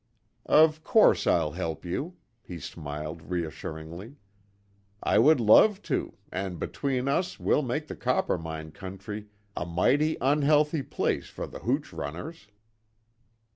"Of course I'll help you!" he smiled reassuringly, "I would love to, and between us we'll make the Coppermine country a mighty unhealthy place for the hooch runners."